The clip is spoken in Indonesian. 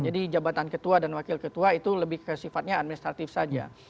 jadi jabatan ketua dan wakil ketua itu lebih ke sifatnya administratif saja